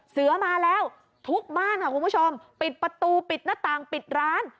เสือมาแล้วทุกบ้านค่ะคุณผู้ชมปิดประตูปิดหน้าต่างปิดร้าน